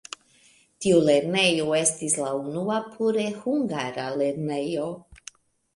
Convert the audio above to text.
Tiu lernejo estis la unua pure hungara lernejo.